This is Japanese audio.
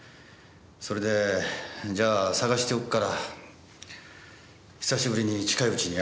それでじゃあ探しておくから久しぶりに近いうちに会おうと。